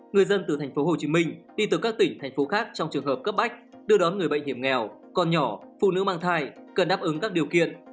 người dân từ thành phố hồ chí minh đi từ các tỉnh thành phố khác trong trường hợp cấp bách đưa đón người bệnh hiểm nghèo con nhỏ phụ nữ mang thai cần đáp ứng các điều kiện